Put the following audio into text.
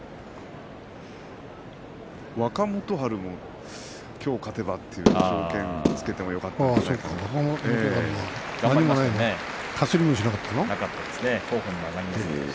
若元春もきょう勝てばという条件を付けてもよかったんじゃないですかね。